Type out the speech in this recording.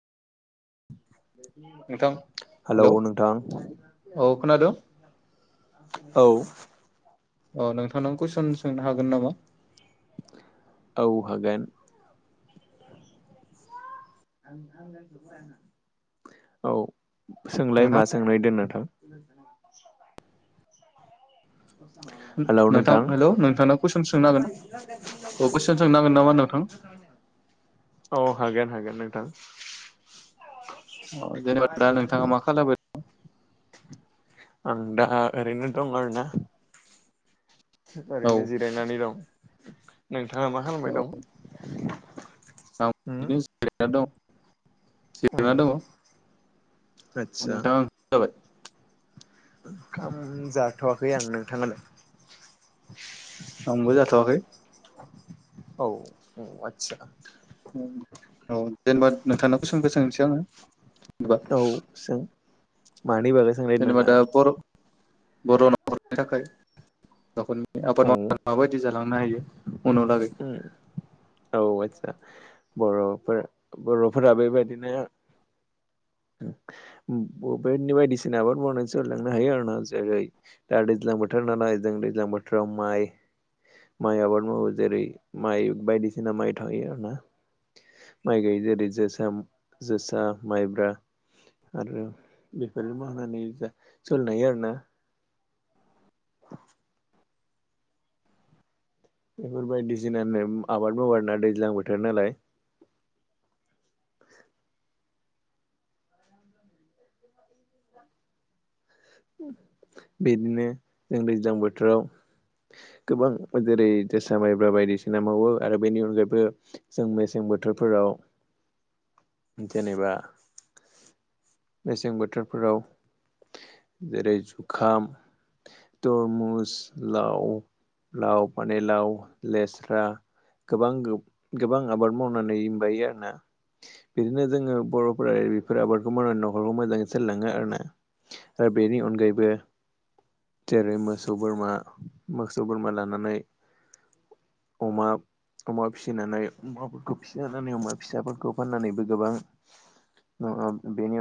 Hello नोंथां। औ खोनादों औ। अह नोंथांनाव कुइसन सोंनो हागोन नामा। औ हागोन औ। सोंलाय नोंथां मा सोंनायदो नोंथां। [inaudible] नोंथां हेलौ नोंथांनाव कुइसन सोंनो हागोना, अ कुइसन सोंनो हागोन नामा नोंथां? औ हागोन हागोन नोंथां। औ जेनेबा दा नोंथाङा मा खालामो? [inaudible] आं दा ओरैनो दं आरोना। औ ओरैनो जिरायनानै दं। नों ङा मा खालामबाय दं? आं बिदिनो [unintelligible] जिरायना [inaudible] उम जिरायना दङ'? आदसा नोंथां जाबाय? ओंखाम जाथ'वाखै आं, नोंथाङालाय? आंबो जाथ'वाखै। औ औ आथसा। ओम औ दे होनबा नोंथांनाव कुइसनखौ सोंसै आङो। जेनेबा औ सों। मानि बागै सोंनायदो जेनेबा नोंथाङा? दा बर' बर' नखरनि थाखाय आबाद औ माव [unintelligible] माबायदि जागोन? नायो। उनाव लागै उम औ आदसा बर'फोर बर'फोरा बेबायदिनो [unintelligible] बायदिसिना आबाद मावनानै सोलिलांनो हायो आरो ना जेरै दा दैज्लां बोथोर नालाय जों दैज्लां बोथोराव माइ, माइ आबाद मावो जेरै माइ बायदिसिना माइ थायो आरो ना, माइ गायो जेरै जोसा जोसा, माइब्रा आरो बेफोर मावनानै सोलिनो हायो आरो ना बेफोर बायदिसिनानो आबाद मावो आरो ना दैज्लां बोथोर नालाय बिदिनो जों दैज्लां बोथोराव गोबां जेरै जोसा, माइब्रा बायदिसिना मावो आरो बेनि अनगायैबो जों मेसें बोथोरफोराव जेनेबा जेरै जुखाम, तरमुस, लाव लाव पानिलाव, लेस्रा गोबां गोबां आबाद मावनानै माबायो आरोना बिदिनो जोङो बर'फोरा बेफोर आबादखौ मावनानै न'खरखौ मोजाङै सोलिलाङो आरोना आरो बेनि अनगायैबो जेरै मोसौ बोरमा मोसौ बोरमा लानानै अमा अमा फिसिनानै अमाफोरखौ फिसिनानै अमा फिसाफोरखौ फाननानैबो गोबां बेनि